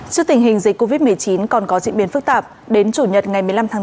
trước tình hình dịch covid một mươi chín còn có diễn biến phức tạp đến chủ nhật ngày một mươi năm tháng bốn